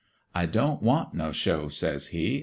"' I don't want no show,' says he.